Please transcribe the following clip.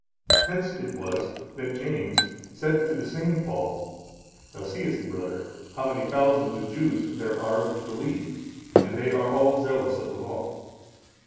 Hence it was, that James said to the same Paul, 'Thou seest, brother, how many thousands of Jews there are which believe; and they are all zealous of the Law.